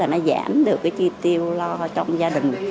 cảm thấy là nó giảm được cái chi tiêu lo trong gia đình